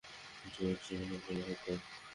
একটু মাশরুম হলে ভালো হত।